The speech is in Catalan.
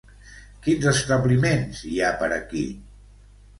Quins establiments hi ha per aquí?